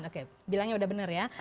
oke bilangnya udah benar ya